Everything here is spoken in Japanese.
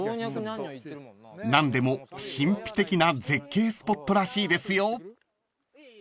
［何でも神秘的な絶景スポットらしいですよ］